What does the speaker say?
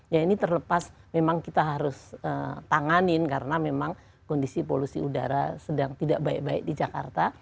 ya ini terlepas memang kita harus tanganin karena memang kondisi polusi udara sedang tidak baik baik di jakarta